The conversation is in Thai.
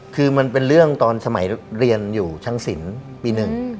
คือมันเป็นเรื่องตอนสมัยเรียนอยู่ชั้นสินปีหนึ่ง